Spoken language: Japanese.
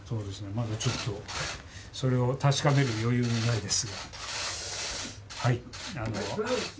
まだちょっとそれを確かめる余裕もないです。